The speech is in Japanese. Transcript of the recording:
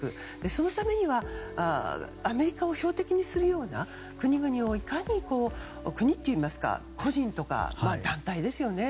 そのためには、アメリカを標的にするような国々をいかに国といいますか、個人というか団体ですよね。